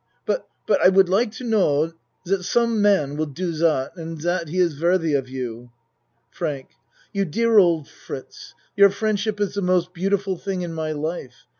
But but I would like to know dot some man will do dot and dot he is worthy of you. FRANK You dear old Fritz! Your friendship is the most beautiful thing in my life.